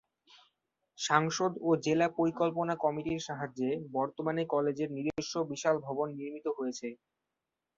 সাংসদ ও জেলা পরিকল্পনা কমিটির সাহায্যে বর্তমানে কলেজের নিজস্ব বিশাল ভবন নির্মিত হয়েছে।